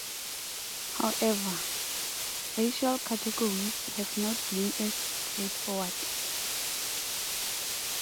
However, racial categories have not been as straightforward.